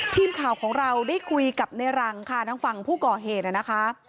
ทีมข่าวของเราได้คุยกับในรังค่ะทางฝั่งผู้ก่อเหตุนะคะ